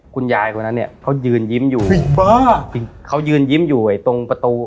คุณยายคนนั้นเนี่ยเขายืนยิ้มอยู่เขายืนยิ้มอยู่ไอ้ตรงประตู